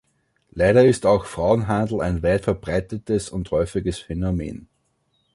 Leider ist auch Frauenhandel ein weit verbreitetes und häufiges Phänomen.